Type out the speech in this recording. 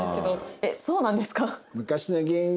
えっそうなんですか？